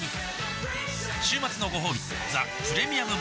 週末のごほうび「ザ・プレミアム・モルツ」